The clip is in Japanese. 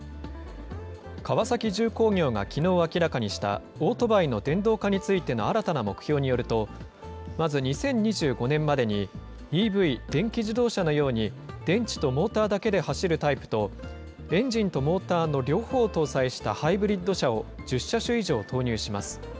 川崎重工業がきのう明らかにしたオートバイの電動化についての新たな目標によると、まず２０２５年までに、ＥＶ・電気自動車のように、電池とモーターだけで走るタイプと、エンジンとモーターの両方を搭載したハイブリッド車を１０車種以上投入します。